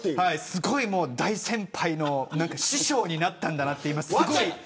すごい大先輩の師匠になったんだなと。